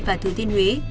và thừa thiên huế